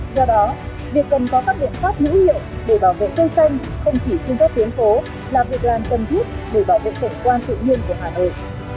do đó việc cần có các biện pháp hữu hiệu để bảo vệ cây xanh không chỉ trên các tuyến phố là việc làm cần thiết để bảo vệ cảnh quan tự nhiên của hà nội